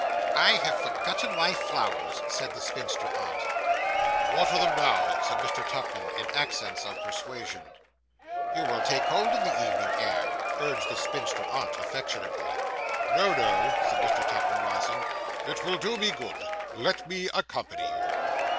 'I have forgotten my flowers,' said the spinster aunt. 'Water them now,' said Mr. Tupman, in accents of persuasion. 'You will take cold in the evening air,' urged the spinster aunt affectionately. 'No, no,' said Mr. Tupman, rising; 'it will do me good. Let me accompany you.